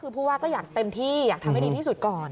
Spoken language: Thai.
คือผู้ว่าก็อยากเต็มที่อยากทำให้ดีที่สุดก่อน